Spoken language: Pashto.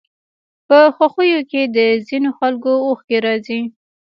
په خوښيو کې د ځينو خلکو اوښکې راځي.